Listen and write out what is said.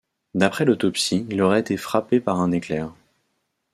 D'après l'autopsie, il aurait été frappé par un éclair.